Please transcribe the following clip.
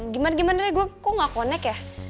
gimana gimana deh gue kok gak connect ya